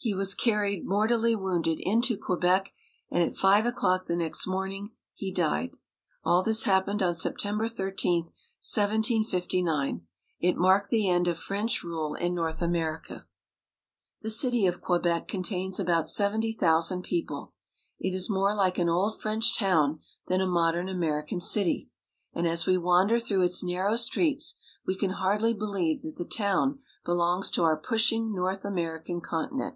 He was carried, mortally wounded, into Quebec, and at five o'clock the next morn ing he died. All this happened on September 13, 1759. It marked the end of French rule in North America. The city of Quebec contains about seventy thousand people. It is more like an old French town than a mod ern American city ; and as we wander through its narrow streets we can hardly believe that the town belongs to our pushing North American continent.